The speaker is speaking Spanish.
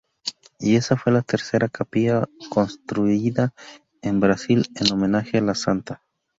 Y esa fue la tercera capilla construida en Brasil en homenaje a la santa.